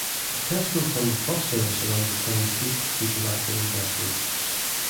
A Tesco-funded bus service around the town ceased due to lack of investment.